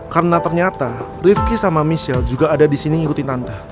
karena ternyata rifki sama michelle juga ada disini ngikutin tante